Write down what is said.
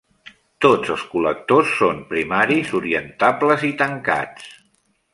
Tots els col·lectors són primaris, orientables i tancats.